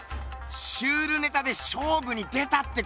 シュールネタでしょうぶに出たってことな！